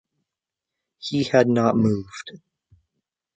He had not moved.